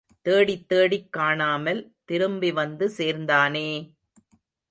தேடித் தேடிக் காணாமல் திரும்பி வந்து சேர்ந்தானே!